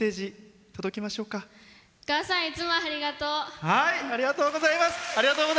お母さん、いつもありがとう！